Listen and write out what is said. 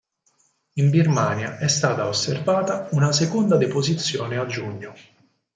In Birmania è stata osservata una seconda deposizione a giugno.